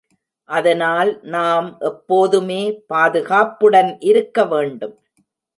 அதனால் நாம் எப்போதுமே பாதுகாப்புடன் இருக்க வேண்டும்.